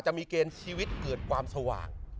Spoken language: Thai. จะมีเกณฑ์ชีวิตเกิดความสว่าง